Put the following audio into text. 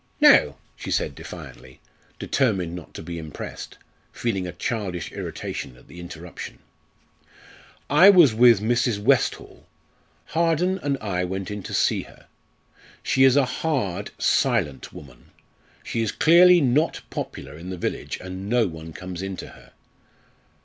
"No," she said defiantly, determined not to be impressed, feeling a childish irritation at the interruption. "I was with Mrs. Westall. Harden and I went in to see her. She is a hard, silent woman. She is clearly not popular in the village, and no one comes in to her.